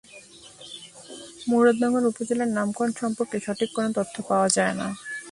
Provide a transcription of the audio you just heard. মুরাদনগর উপজেলার নামকরণ সম্পর্কে সঠিক কোন তথ্য পাওয়া যায়না।